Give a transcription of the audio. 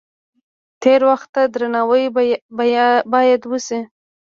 تیر وخت ته درناوی باید وشي.